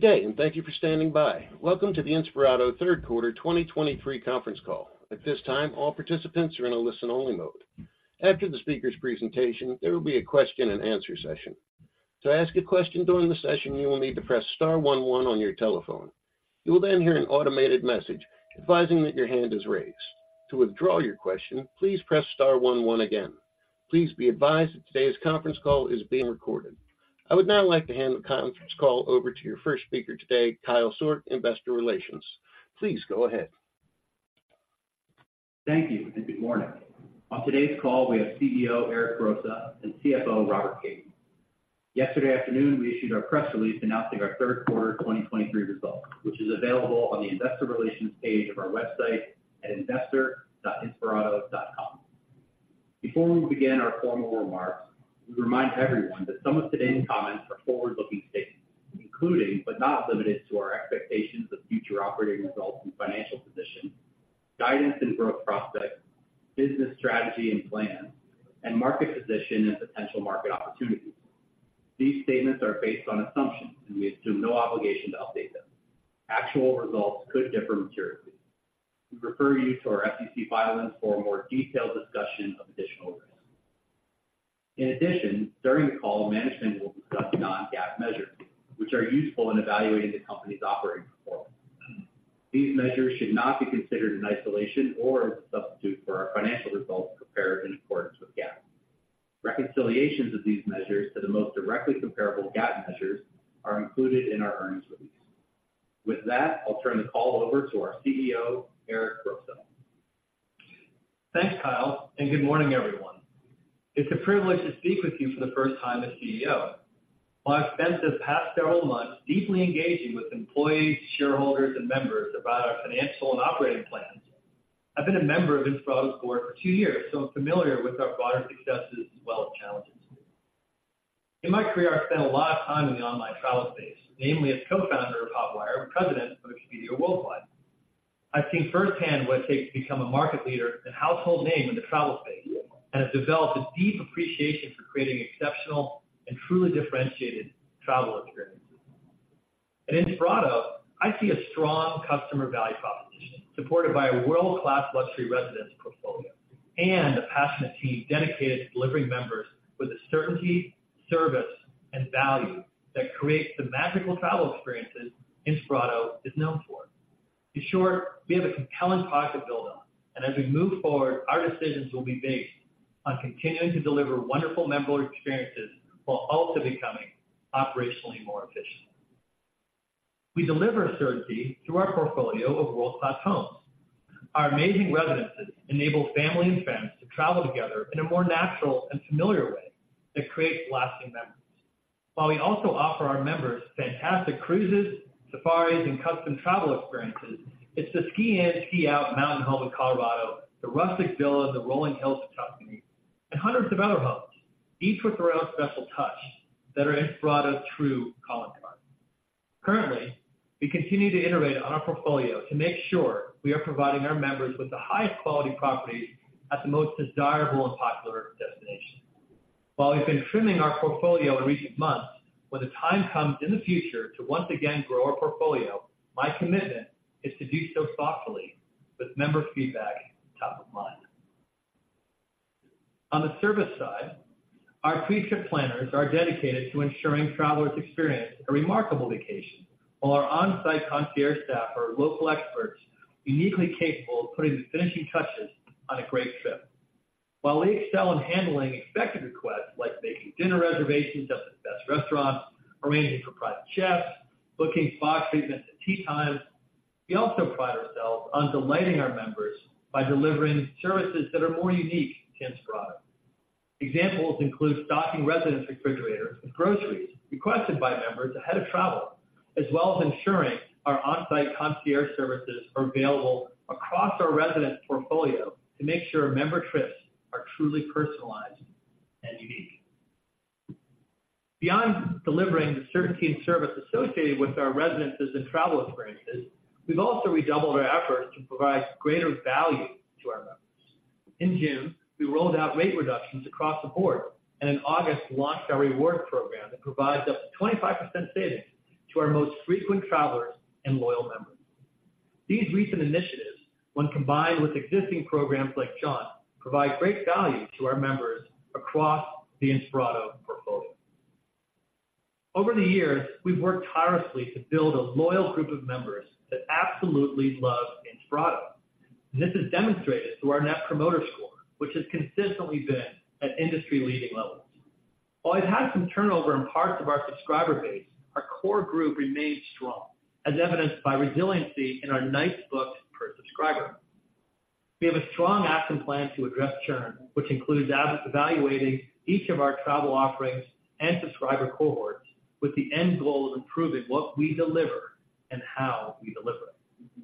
Good day, and thank you for standing by. Welcome to the Inspirato third quarter 2023 conference call. At this time, all participants are in a listen-only mode. After the speaker's presentation, there will be a question-and-answer session. To ask a question during the session, you will need to press star one one on your telephone. You will then hear an automated message advising that your hand is raised. To withdraw your question, please press star one one again. Please be advised that today's conference call is being recorded. I would now like to hand the conference call over to your first speaker today, Kyle Sourk, Investor Relations. Please go ahead. Thank you, and good morning. On today's call, we have CEO Eric Grosse and CFO Robert Kaiden. Yesterday afternoon, we issued our press release announcing our third quarter 2023 results, which is available on the investor relations page of our website at investor.inspirato.com. Before we begin our formal remarks, we remind everyone that some of today's comments are forward-looking statements, including, but not limited to, our expectations of future operating results and financial position, guidance and growth prospects, business strategy and plans, and market position and potential market opportunities. These statements are based on assumptions, and we assume no obligation to update them. Actual results could differ materially. We refer you to our SEC filings for a more detailed discussion of additional risks. In addition, during the call, management will discuss non-GAAP measures, which are useful in evaluating the company's operating performance. These measures should not be considered in isolation or as a substitute for our financial results prepared in accordance with GAAP. Reconciliations of these measures to the most directly comparable GAAP measures are included in our earnings release. With that, I'll turn the call over to our CEO, Eric Grosse. Thanks, Kyle, and good morning, everyone. It's a privilege to speak with you for the first time as CEO. While I've spent the past several months deeply engaging with employees, shareholders, and members about our financial and operating plans, I've been a member of Inspirato's board for two years, so I'm familiar with our broader successes as well as challenges. In my career, I've spent a lot of time in the online travel space, namely as co-founder of Hotwire and president of Expedia Worldwide. I've seen firsthand what it takes to become a market leader and household name in the travel space, and have developed a deep appreciation for creating exceptional and truly differentiated travel experiences. At Inspirato, I see a strong customer value proposition supported by a world-class luxury residence portfolio and a passionate team dedicated to delivering members with the certainty, service, and value that creates the magical travel experiences Inspirato is known for. In short, we have a compelling product to build on, and as we move forward, our decisions will be based on continuing to deliver wonderful member experiences while also becoming operationally more efficient. We deliver certainty through our portfolio of world-class homes. Our amazing residences enable family and friends to travel together in a more natural and familiar way that creates lasting memories. While we also offer our members fantastic cruises, safaris, and custom travel experiences, it's the ski-in, ski-out mountain home in Colorado, the rustic villa in the rolling hills of Tuscany, and hundreds of other homes, each with their own special touch, that are Inspirato's true calling card. Currently, we continue to innovate on our portfolio to make sure we are providing our members with the highest quality properties at the most desirable and popular destinations. While we've been trimming our portfolio in recent months, when the time comes in the future to once again grow our portfolio, my commitment is to do so thoughtfully with member feedback top of mind. On the service side, our pre-trip planners are dedicated to ensuring travelers experience a remarkable vacation, while our on-site concierge staff are local experts uniquely capable of putting the finishing touches on a great trip. While we excel in handling expected requests like making dinner reservations at the best restaurants, arranging for private chefs, booking spa treatments and tee times, we also pride ourselves on delighting our members by delivering services that are more unique to Inspirato. Examples include stocking residence refrigerators with groceries requested by members ahead of travel, as well as ensuring our on-site concierge services are available across our residence portfolio to make sure member trips are truly personalized and unique. Beyond delivering the certainty and service associated with our residences and travel experiences, we've also redoubled our efforts to provide greater value to our members. In June, we rolled out rate reductions across the board, and in August, launched our rewards program that provides up to 25% savings to our most frequent travelers and loyal members. These recent initiatives, when combined with existing programs like Jaunt, provide great value to our members across the Inspirato portfolio. Over the years, we've worked tirelessly to build a loyal group of members that absolutely love Inspirato. This is demonstrated through our Net Promoter Score, which has consistently been at industry-leading levels. While we've had some turnover in parts of our subscriber base, our core group remains strong, as evidenced by resiliency in our nights booked per subscriber. We have a strong action plan to address churn, which includes evaluating each of our travel offerings and subscriber cohorts with the end goal of improving what we deliver and how we deliver it.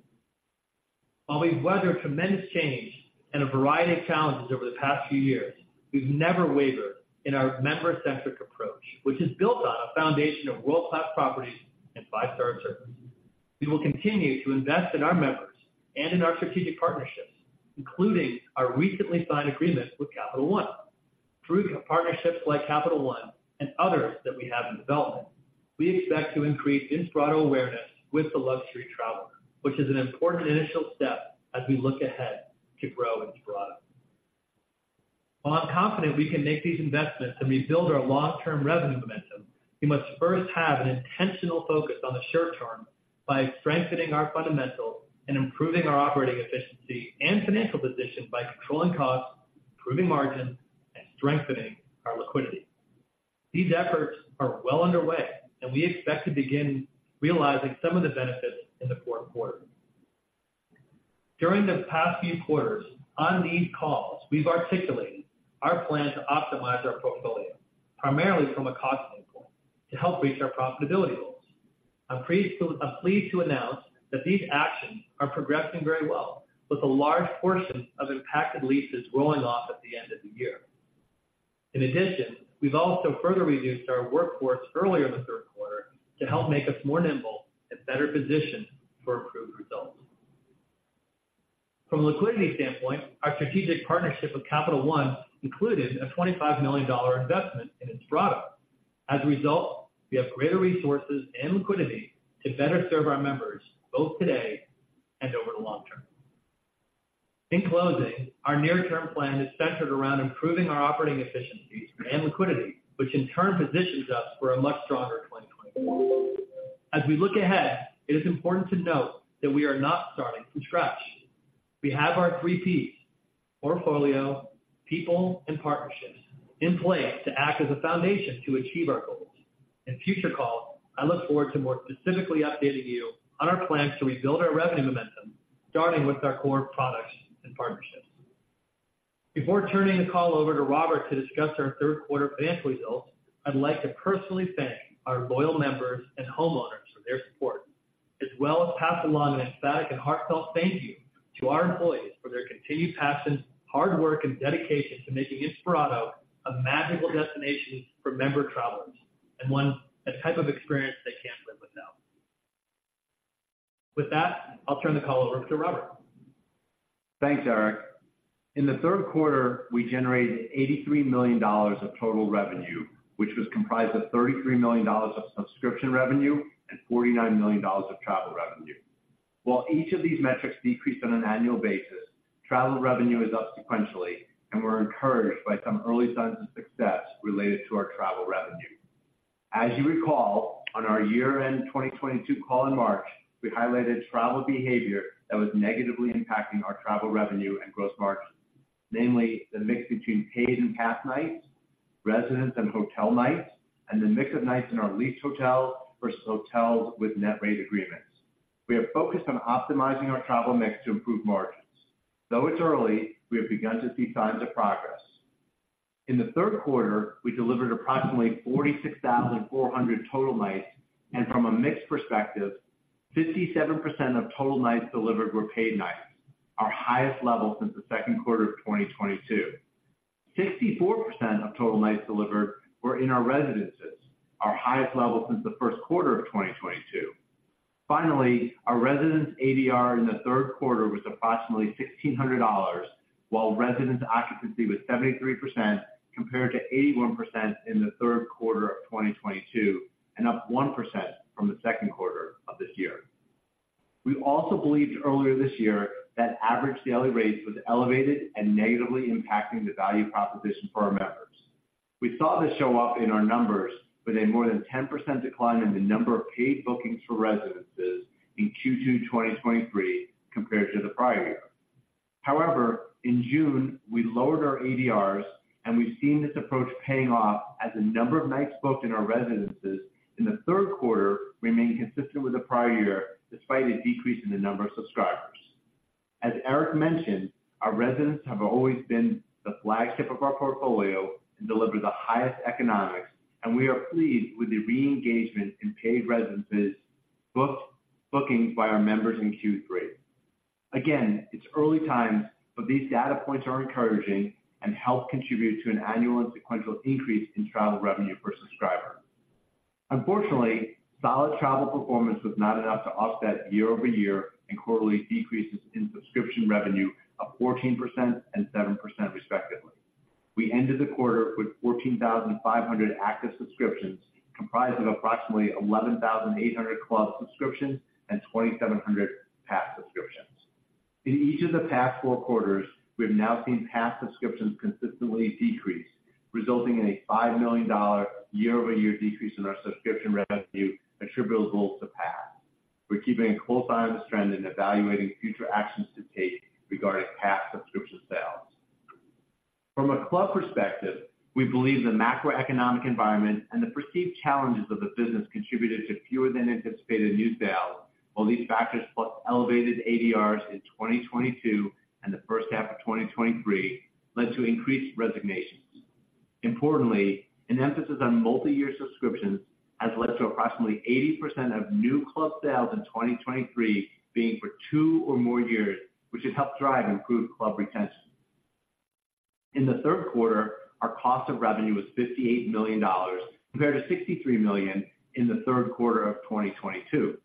While we've weathered tremendous change and a variety of challenges over the past few years, we've never wavered in our member-centric approach, which is built on a foundation of world-class properties and five-star service.… We will continue to invest in our members and in our strategic partnerships, including our recently signed agreement with Capital One. Through partnerships like Capital One and others that we have in development, we expect to increase Inspirato awareness with the luxury traveler, which is an important initial step as we look ahead to grow Inspirato. While I'm confident we can make these investments and rebuild our long-term revenue momentum, we must first have an intentional focus on the short term by strengthening our fundamentals and improving our operating efficiency and financial position by controlling costs, improving margins, and strengthening our liquidity. These efforts are well underway, and we expect to begin realizing some of the benefits in the fourth quarter. During the past few quarters, on these calls, we've articulated our plan to optimize our portfolio, primarily from a cost standpoint, to help reach our profitability goals. I'm pleased to, I'm pleased to announce that these actions are progressing very well, with a large portion of impacted leases rolling off at the end of the year. In addition, we've also further reduced our workforce earlier in the third quarter to help make us more nimble and better positioned for improved results. From a liquidity standpoint, our strategic partnership with Capital One included a $25 million investment in Inspirato. As a result, we have greater resources and liquidity to better serve our members, both today and over the long term. In closing, our near-term plan is centered around improving our operating efficiencies and liquidity, which in turn positions us for a much stronger 2024. As we look ahead, it is important to note that we are not starting from scratch. We have our three Ps: portfolio, people, and partnerships in place to act as a foundation to achieve our goals. In future calls, I look forward to more specifically updating you on our plans to rebuild our revenue momentum, starting with our core products and partnerships. Before turning the call over to Robert to discuss our third quarter financial results, I'd like to personally thank our loyal members and homeowners for their support, as well as Pass along an emphatic and heartfelt thank you to our employees for their continued passion, hard work, and dedication to making Inspirato a magical destination for member travelers, and one, a type of experience they can't live without. With that, I'll turn the call over to Robert. Thanks, Eric. In the third quarter, we generated $83 million of total revenue, which was comprised of $33 million of subscription revenue and $49 million of travel revenue. While each of these metrics decreased on an annual basis, travel revenue is up sequentially, and we're encouraged by some early signs of success related to our travel revenue. As you recall, on our year-end 2022 call in March, we highlighted travel behavior that was negatively impacting our travel revenue and gross margins, namely the mix between paid and pass nights, residence and hotel nights, and the mix of nights in our leased hotels versus hotels with net rate agreements. We have focused on optimizing our travel mix to improve margins. Though it's early, we have begun to see signs of progress. In the third quarter, we delivered approximately 46,400 total nights, and from a mix perspective, 57% of total nights delivered were paid nights, our highest level since the second quarter of 2022. 64% of total nights delivered were in our residences, our highest level since the first quarter of 2022. Finally, our residence ADR in the third quarter was approximately $1,600, while residence occupancy was 73%, compared to 81% in the third quarter of 2022, and up 1% from the second quarter of this year. We also believed earlier this year that average daily rates was elevated and negatively impacting the value proposition for our members. We saw this show up in our numbers with a more than 10% decline in the number of paid bookings for residences in Q2 2023 compared to the prior year. However, in June, we lowered our ADRs, and we've seen this approach paying off as the number of nights booked in our residences in the third quarter remained consistent with the prior year, despite a decrease in the number of subscribers. As Eric mentioned, our residences have always been the flagship of our portfolio and deliver the highest economics, and we are pleased with the reengagement in paid residences bookings by our members in Q3. Again, it's early times, but these data points are encouraging and help contribute to an annual and sequential increase in travel revenue per subscriber. Unfortunately, solid travel performance was not enough to offset year-over-year and quarterly decreases in subscription revenue of 14% and 7%, respectively. We ended the quarter with 14,500 active subscriptions, comprised of approximately 11,800 Club subscriptions and 2,700 pass subscriptions. In each of the past four quarters, we have now seen pass subscriptions consistently decrease, resulting in a $5 million year-over-year decrease in our subscription revenue attributable to pass. We're keeping a close eye on this trend and evaluating future actions to take regarding pass subscription sales. From a Club perspective, we believe the macroeconomic environment and the perceived challenges of the business contributed to fewer than anticipated new sales, while these factors, plus elevated ADRs in 2022 and the first half of 2023, led to increased resignations. Importantly, an emphasis on multiyear subscriptions has led to approximately 80% of new Club sales in 2023 being for two or more years, which has helped drive improved Club retention. In the third quarter, our cost of revenue was $58 million compared to $63 million in the third quarter of 2022.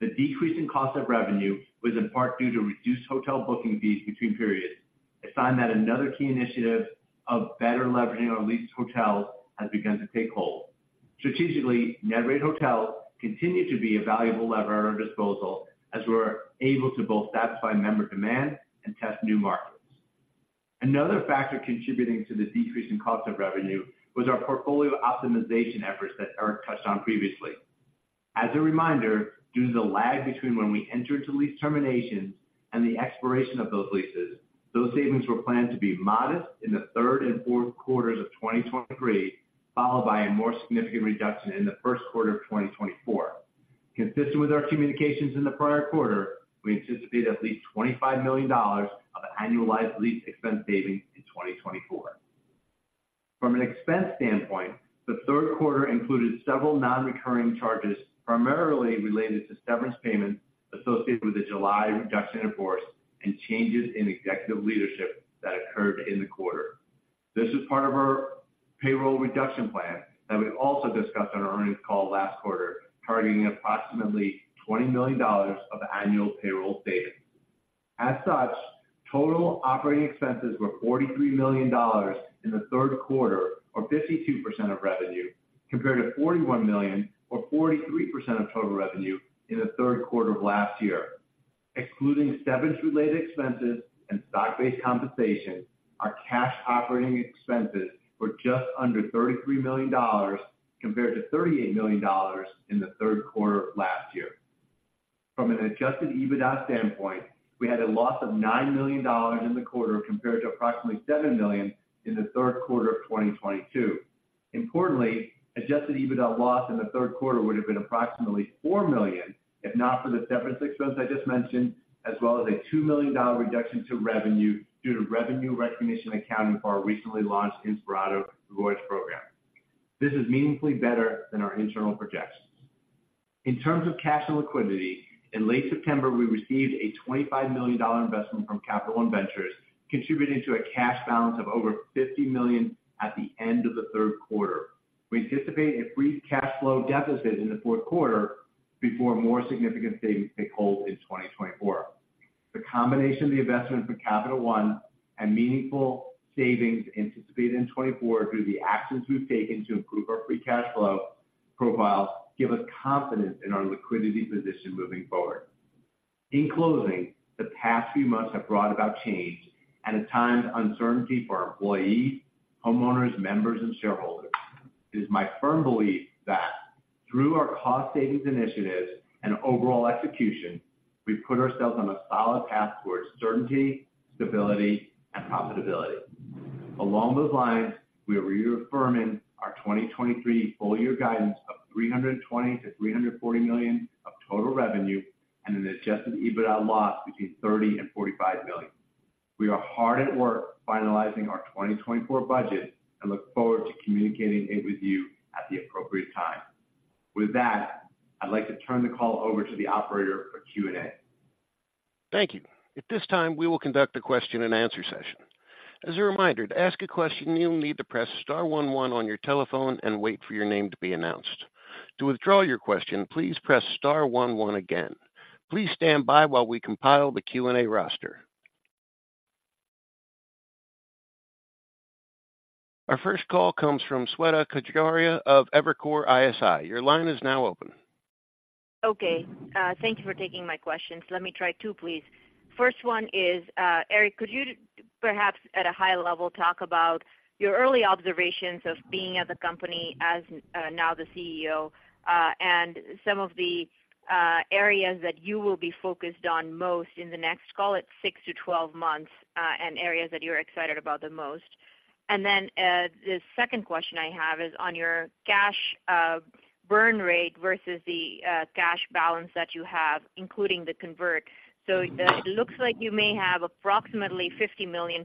The decrease in cost of revenue was in part due to reduced hotel booking fees between periods. I find that another key initiative of better leveraging our leased hotels has begun to take hold. Strategically, net rate hotels continue to be a valuable lever at our disposal as we're able to both satisfy member demand and test new markets. Another factor contributing to the decrease in cost of revenue was our portfolio optimization efforts that Eric touched on previously. As a reminder, due to the lag between when we entered to lease terminations and the expiration of those leases, those savings were planned to be modest in the third and fourth quarters of 2023, followed by a more significant reduction in the first quarter of 2024. Consistent with our communications in the prior quarter, we anticipate at least $25 million of annualized lease expense savings in 2024. From an expense standpoint, the third quarter included several nonrecurring charges, primarily related to severance payments associated with the July reduction in force and changes in executive leadership that occurred in the quarter. This is part of our payroll reduction plan that we also discussed on our earnings call last quarter, targeting approximately $20 million of annual payroll savings. As such, total operating expenses were $43 million in the third quarter, or 52% of revenue, compared to $41 million or 43% of total revenue in the third quarter of last year. Excluding severance related expenses and stock-based compensation, our cash operating expenses were just under $33 million, compared to $38 million in the third quarter of last year. From an Adjusted EBITDA standpoint, we had a loss of $9 million in the quarter, compared to approximately $7 million in the third quarter of 2022. Importantly, Adjusted EBITDA loss in the third quarter would have been approximately $4 million, if not for the severance expense I just mentioned, as well as a $2 million reduction to revenue due to revenue recognition accounting for our recently launched Inspirato Rewards program. This is meaningfully better than our internal projections. In terms of cash and liquidity, in late September, we received a $25 million investment from Capital One Ventures, contributing to a cash balance of over $50 million at the end of the third quarter. We anticipate a brief cash flow deficit in the fourth quarter before more significant savings take hold in 2024. The combination of the investment from Capital One and meaningful savings anticipated in 2024 through the actions we've taken to improve our free cash flow profile, give us confidence in our liquidity position moving forward. In closing, the past few months have brought about change and, at times, uncertainty for our employees, homeowners, members, and shareholders. It is my firm belief that through our cost savings initiatives and overall execution, we've put ourselves on a solid path towards certainty, stability, and profitability. Along those lines, we are reaffirming our 2023 full-year guidance of $320 million-$340 million of total revenue and an Adjusted EBITDA loss between $30 million and $45 million. We are hard at work finalizing our 2024 budget and look forward to communicating it with you at the appropriate time. With that, I'd like to turn the call over to the operator for Q&A. Thank you. At this time, we will conduct a question-and-answer session. As a reminder, to ask a question, you'll need to press star one one on your telephone and wait for your name to be announced. To withdraw your question, please press star one one again. Please stand by while we compile the Q&A roster. Our first call comes from Shweta Khajuria of Evercore ISI. Your line is now open. Okay, thank you for taking my questions. Let me try two, please. First one is, Eric, could you perhaps, at a high level, talk about your early observations of being at the company as, now the CEO, and some of the areas that you will be focused on most in the next, call it six-12 months, and areas that you're excited about the most? And then, the second question I have is on your cash burn rate versus the cash balance that you have, including the convert. So it looks like you may have approximately $50 million+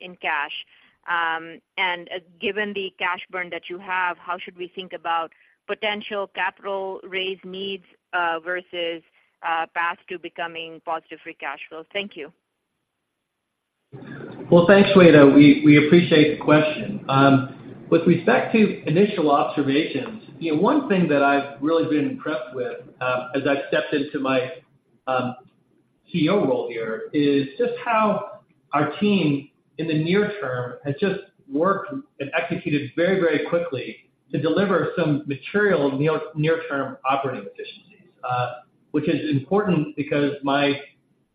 in cash. And given the cash burn that you have, how should we think about potential capital raise needs, versus path to becoming positive free cash flow? Thank you. Well, thanks, Shweta. We appreciate the question. With respect to initial observations, you know, one thing that I've really been impressed with, as I've stepped into my CEO role here, is just how our team in the near term has just worked and executed very, very quickly to deliver some material near-term operating efficiencies. Which is important because my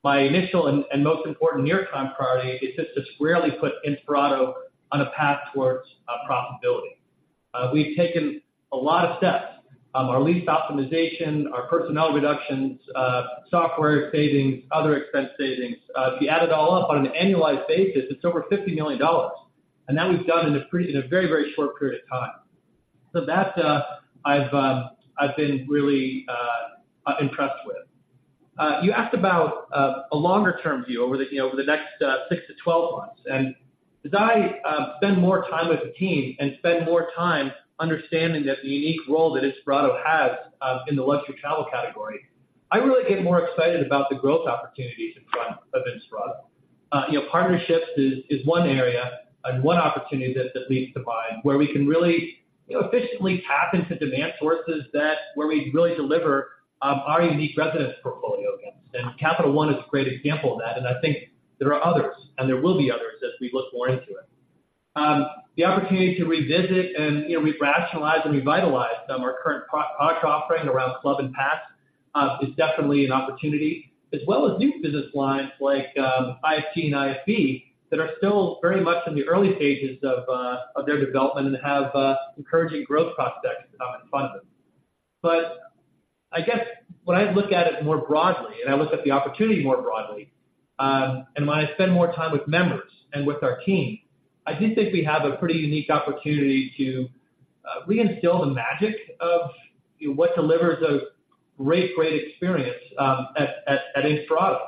initial and most important near-term priority is just to squarely put Inspirato on a path towards profitability. We've taken a lot of steps. Our lease optimization, our personnel reductions, software savings, other expense savings. If you add it all up on an annualized basis, it's over $50 million, and that we've done in a pretty, in a very, very short period of time. So that, I've been really impressed with. You asked about a longer-term view over the, you know, over the next 6-12 months. And as I spend more time with the team and spend more time understanding the unique role that Inspirato has in the luxury travel category, I-... I really get more excited about the growth opportunities in front of Inspirato. You know, partnerships is one area and one opportunity that comes to mind, where we can really, you know, efficiently tap into demand sources that where we really deliver our unique residence portfolio. And Capital One is a great example of that, and I think there are others, and there will be others as we look more into it. The opportunity to revisit and, you know, re-rationalize and revitalize some of our current product offering around Club and Pass is definitely an opportunity, as well as new business lines like IFT and ISP, that are still very much in the early stages of their development and have encouraging growth prospects in front of them. But I guess when I look at it more broadly, and I look at the opportunity more broadly, and when I spend more time with members and with our team, I do think we have a pretty unique opportunity to reinstill the magic of what delivers a great, great experience at Inspirato.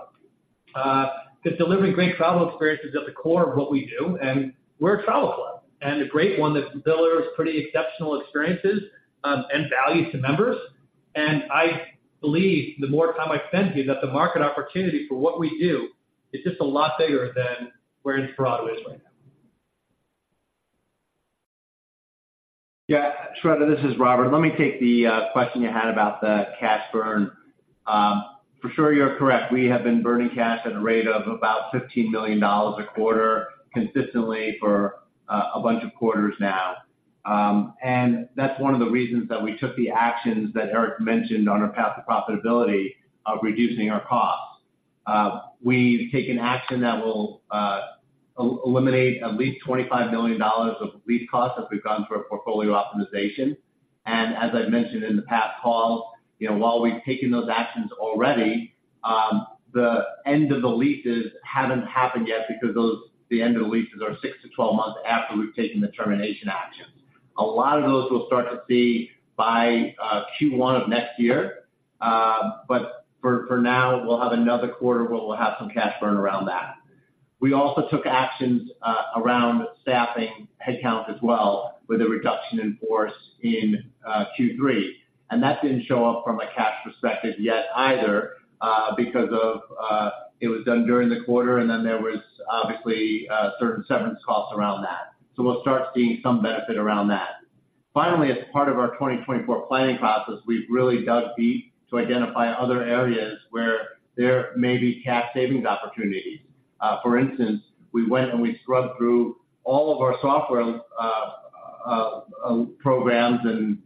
Because delivering great travel experiences is at the core of what we do, and we're a travel club, and a great one that delivers pretty exceptional experiences and value to members. And I believe the more time I spend here, that the market opportunity for what we do is just a lot bigger than where Inspirato is right now. Yeah, Shweta, this is Robert. Let me take the question you had about the cash burn. For sure, you're correct. We have been burning cash at a rate of about $15 million a quarter consistently for a bunch of quarters now. And that's one of the reasons that we took the actions that Eric mentioned on our path to profitability of reducing our costs. We've taken action that will eliminate at least $25 million of lease costs as we've gone through our portfolio optimization. And as I've mentioned in the past calls, you know, while we've taken those actions already, the end of the leases haven't happened yet because the end of the leases are 6-12 months after we've taken the termination actions. A lot of those we'll start to see by Q1 of next year. But for now, we'll have another quarter where we'll have some cash burn around that. We also took actions around staffing headcount as well, with a reduction in force in Q3, and that didn't show up from a cash perspective yet either because it was done during the quarter, and then there was obviously certain severance costs around that. So we'll start seeing some benefit around that. Finally, as part of our 2024 planning process, we've really dug deep to identify other areas where there may be cash savings opportunities. For instance, we went and we scrubbed through all of our software programs and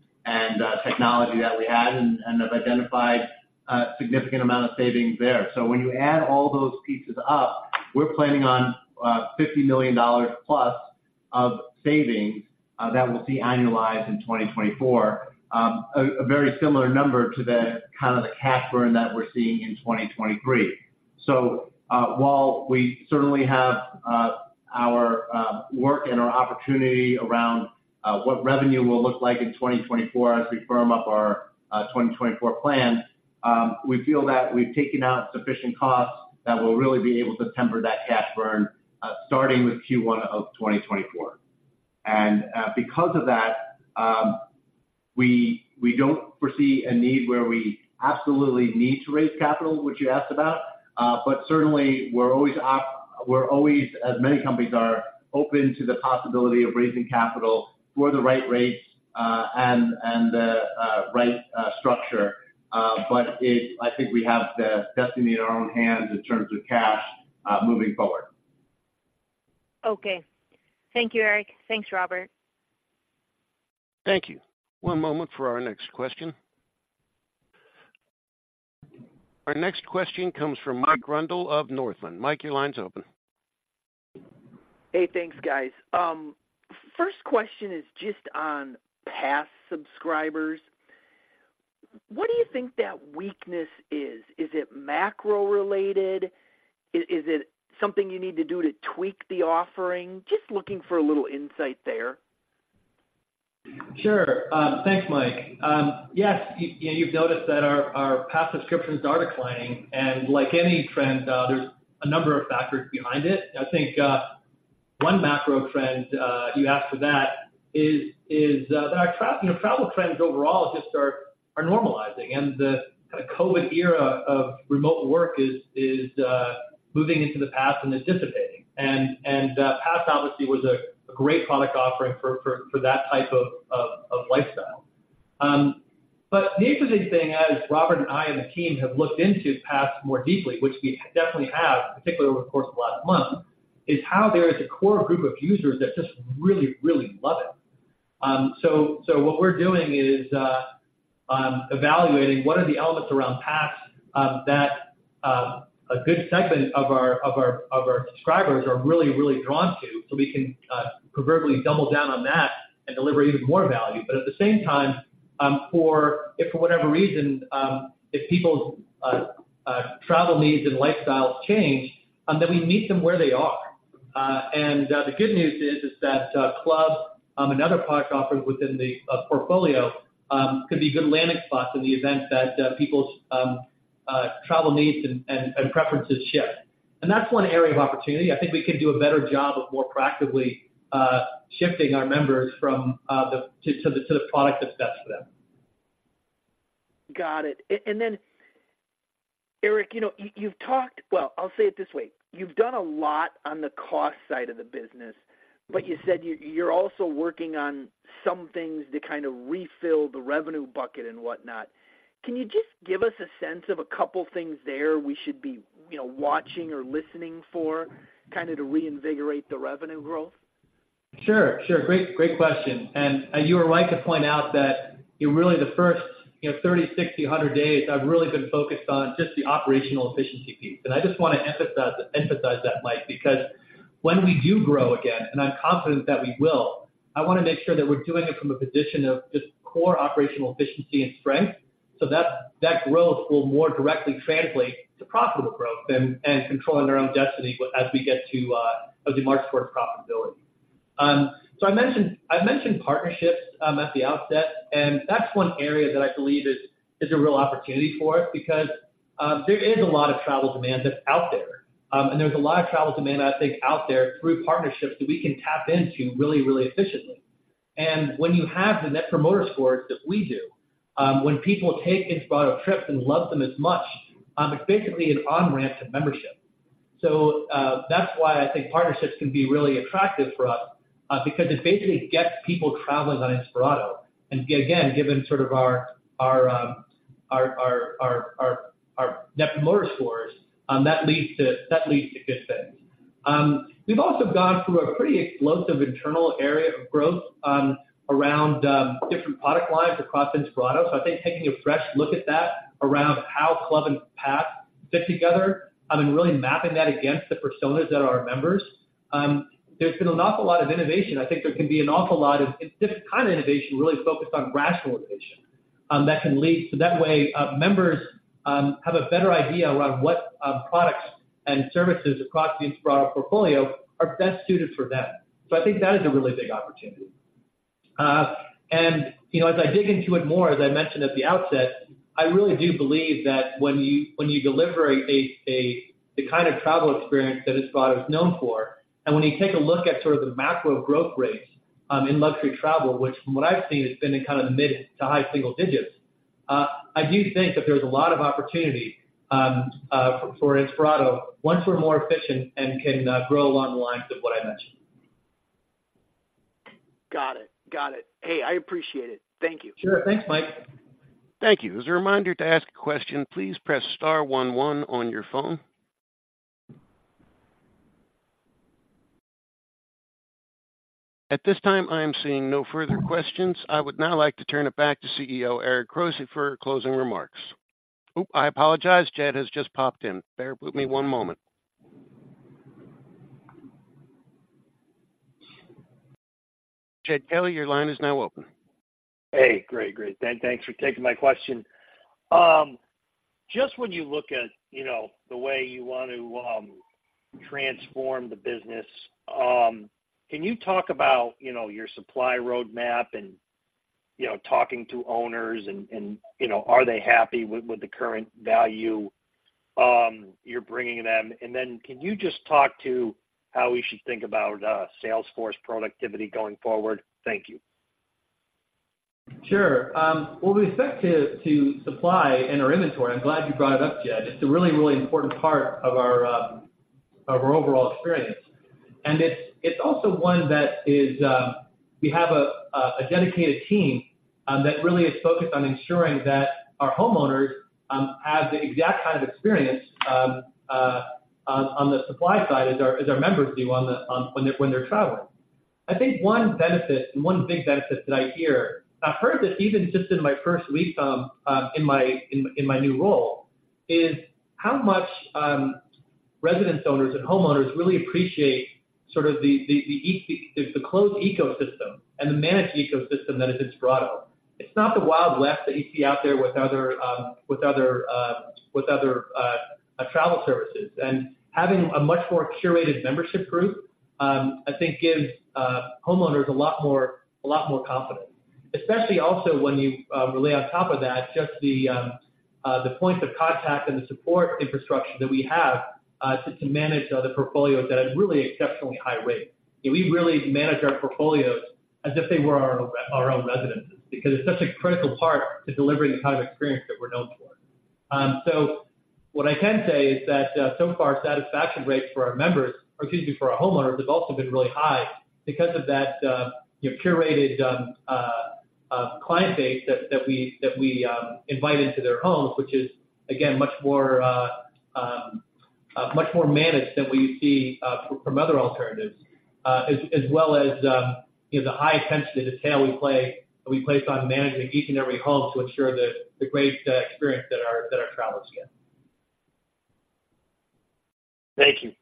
technology that we had and have identified a significant amount of savings there. So when you add all those pieces up, we're planning on $50 million plus of savings that we'll see annualized in 2024. A very similar number to the kind of the cash burn that we're seeing in 2023. So while we certainly have our work and our opportunity around what revenue will look like in 2024 as we firm up our 2024 plan, we feel that we've taken out sufficient costs that we'll really be able to temper that cash burn starting with Q1 of 2024. Because of that, we don't foresee a need where we absolutely need to raise capital, which you asked about, but certainly we're always, as many companies are, open to the possibility of raising capital for the right rates, and the right structure. But it, I think we have the destiny in our own hands in terms of cash, moving forward. Okay. Thank you, Eric. Thanks, Robert. Thank you. One moment for our next question. Our next question comes from Mike Grondahl of Northland. Mike, your line's open. Hey, thanks, guys. First question is just on Pass subscribers. What do you think that weakness is? Is it macro-related? Is it something you need to do to tweak the offering? Just looking for a little insight there. Sure. Thanks, Mike. Yes, you've noticed that our Pass subscriptions are declining, and like any trend, there's a number of factors behind it. I think one macro trend you asked for is that our travel, you know, travel trends overall just are normalizing. And the kind of COVID era of remote work is moving into the past and is dissipating. And Pass obviously was a great product offering for that type of lifestyle. But the interesting thing, as Robert and I and the team have looked into Pass more deeply, which we definitely have, particularly over the course of the last month, is how there is a core group of users that just really, really love it. So what we're doing is evaluating what are the elements around Pass that a good segment of our subscribers are really, really drawn to, so we can proverbially double down on that and deliver even more value. But at the same time, for whatever reason, if people's travel needs and lifestyles change, that we meet them where they are. And the good news is that Club and other product offerings within the portfolio could be good landing spots in the event that people's travel needs and preferences shift. And that's one area of opportunity. I think we can do a better job of more proactively shifting our members from the to the product that's best for them. Got it. And then, Eric, you know, you've talked. Well, I'll say it this way, you've done a lot on the cost side of the business, but you said you're also working on some things to kind of refill the revenue bucket and whatnot. Can you just give us a sense of a couple things there we should be, you know, watching or listening for, kind of to reinvigorate the revenue growth? Sure, sure. Great, great question, and you are right to point out that, you know, really the first 30, 60, 100 days, I've really been focused on just the operational efficiency piece. And I just want to emphasize, emphasize that, Mike, because when we do grow again, and I'm confident that we will, I wanna make sure that we're doing it from a position of just core operational efficiency and strength, so that, that growth will more directly translate to profitable growth and, and controlling our own destiny as we get to, as we march towards profitability. So I mentioned, I mentioned partnerships at the outset, and that's one area that I believe is, is a real opportunity for us because there is a lot of travel demand that's out there. And there's a lot of travel demand, I think, out there through partnerships that we can tap into really, really efficiently. And when you have the Net Promoter Scores that we do, when people take Inspirato trips and love them as much, it's basically an on-ramp to membership. So, that's why I think partnerships can be really attractive for us, because it basically gets people traveling on Inspirato. And again, given sort of our Net Promoter Scores, that leads to good things. We've also gone through a pretty explosive internal area of growth, around different product lines across Inspirato. So I think taking a fresh look at that, around how Club and Pass fit together, and really mapping that against the personas that are our members. There's been an awful lot of innovation. I think there can be an awful lot of... This kind of innovation really focused on rational innovation. So that way, members have a better idea around what products and services across the Inspirato portfolio are best suited for them. So I think that is a really big opportunity. You know, as I dig into it more, as I mentioned at the outset, I really do believe that when you deliver the kind of travel experience that Inspirato is known for, and when you take a look at sort of the macro growth rates in luxury travel, which from what I've seen has been in kind of the mid to high single digits, I do think that there's a lot of opportunity for Inspirato once we're more efficient and can grow along the lines of what I mentioned. Got it. Got it. Hey, I appreciate it. Thank you. Sure. Thanks, Mike. Thank you. As a reminder, to ask a question, please press star one one on your phone. At this time, I am seeing no further questions. I would now like to turn it back to CEO Eric Grosse for closing remarks. Oop, I apologize. Jed has just popped in. Bear with me one moment. Jed Kelly, your line is now open. Hey, great, great. Thanks for taking my question. Just when you look at, you know, the way you want to transform the business, can you talk about, you know, your supply roadmap and, you know, talking to owners and, and, you know, are they happy with the current value you're bringing them? And then can you just talk to how we should think about sales force productivity going forward? Thank you. Sure. Well, with respect to supply and our inventory, I'm glad you brought it up, Jed. It's a really, really important part of our overall experience. And it's also one that we have a dedicated team that really is focused on ensuring that our homeowners have the exact same kind of experience on the supply side as our members do when they're traveling. I think one benefit, and one big benefit that I hear. I've heard this even just in my first week in my new role, is how much residence owners and homeowners really appreciate sort of the closed ecosystem and the managed ecosystem that is Inspirato. It's not the wild west that you see out there with other travel services. And having a much more curated membership group, I think gives homeowners a lot more confidence. Especially also when you really on top of that, just the points of contact and the support infrastructure that we have to manage the portfolios at a really exceptionally high rate. We really manage our portfolios as if they were our own residences, because it's such a critical part to delivering the kind of experience that we're known for. So what I can say is that, so far, satisfaction rates for our members, or excuse me, for our homeowners, has also been really high because of that, curated client base that we invite into their homes, which is, again, much more managed than we see from other alternatives. As well as, you know, the high attention to detail we place on managing each and every home to ensure the great experience that our travelers get. Thank you.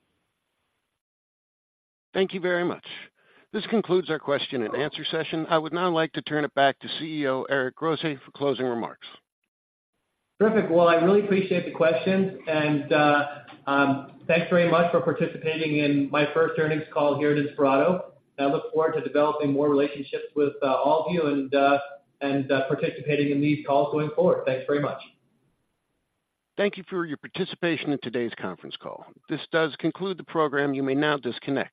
Thank you very much. This concludes our question and answer session. I would now like to turn it back to CEO, Eric Grosse, for closing remarks. Terrific. Well, I really appreciate the questions, and thanks very much for participating in my first earnings call here at Inspirato. I look forward to developing more relationships with all of you and participating in these calls going forward. Thanks very much. Thank you for your participation in today's conference call. This does conclude the program. You may now disconnect.